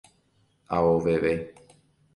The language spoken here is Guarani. Aoveve